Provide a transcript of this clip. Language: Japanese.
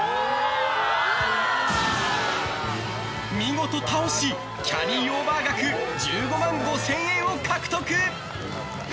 見事倒し、キャリーオーバー額１５万５０００円を獲得！